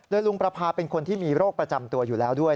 ลุงประพาเป็นคนที่มีโรคประจำตัวอยู่แล้วด้วย